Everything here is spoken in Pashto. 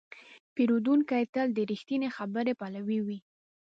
پیرودونکی تل د رښتینې خبرې پلوی وي.